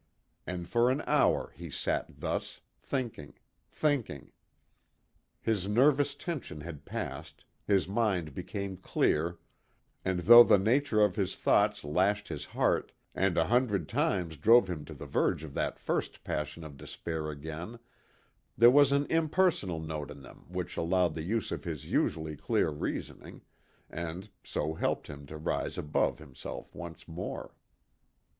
And for an hour he sat thus, thinking, thinking. His nervous tension had passed, his mind became clear, and though the nature of his thoughts lashed his heart, and a hundred times drove him to the verge of that first passion of despair again, there was an impersonal note in them which allowed the use of his usually clear reasoning, and so helped him to rise above himself once more.